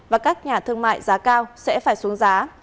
và các nhà thương mại giá cao sẽ phải xuống giá